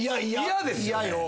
嫌ですよね。